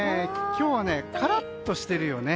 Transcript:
今日はカラッとしているよね。